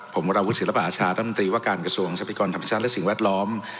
ผมวรวุศิลปะอาชารัฐมนตรีว่าการกระทรวงทรัพยากรธรรมชาติและสิ่งแวดล้อม